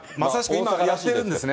今、やってるんですね。